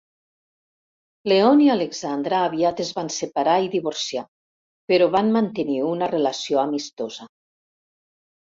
Leon i Alexandra aviat es van separar i divorciar, però van mantenir una relació amistosa.